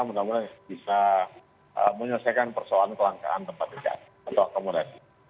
mudah mudahan bisa menyelesaikan persoalan kelangkaan tempat tidur atau akomodasi